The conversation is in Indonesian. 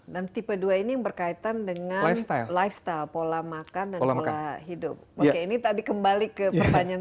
dan tipe dua ini berkaitan dengan lifestyle pola makan pola hidup ini tadi kembali ke pertanyaan